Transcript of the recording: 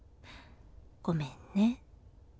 ごめんね。